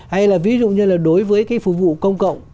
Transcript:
hay là ví dụ như là đối với cái phục vụ công cộng